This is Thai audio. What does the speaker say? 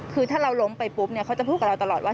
คือถ้าเราล้มไปปุ๊บเนี่ยเขาจะพูดกับเราตลอดว่า